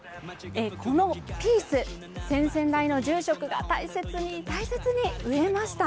このピース、先々代の住職が、大切に、大切に植えました。